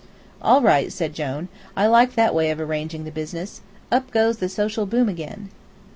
"All right," said Jone, "I like that way of arranging the business. Up goes the social boom again!"